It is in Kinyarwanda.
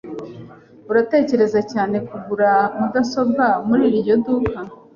Uratekereza cyane. kugura mudasobwa muri iryo duka?